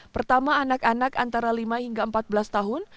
pertama anak anak antara lima hingga empat belas tahun